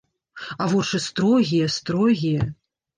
А вочы строгія, строгія.